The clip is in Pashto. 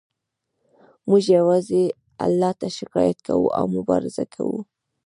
موږ یوازې الله ته شکایت کوو او مبارزه کوو